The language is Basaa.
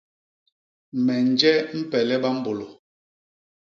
Me nje mpele bambôlô.